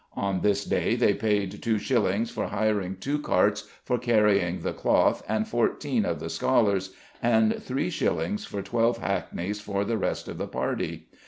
On this day, they paid 2s. for hiring two carts for carrying the cloth and fourteen of the scholars, and 3s. for twelve hackneys for the rest of the party.